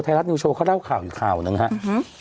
ไทยรัฐนิวโชว์เขาเล่าข่าวอยู่ข่าวหนึ่งครับ